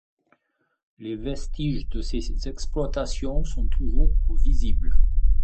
Les vestiges de ces exploitations sont toujours visibles.